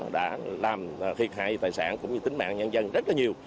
đã làm thiệt hại tài sản cũng như tính mạng nhân dân rất là nhiều